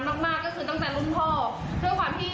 ด้วยความที่ลูกค้าจดจำนัดตรงนี้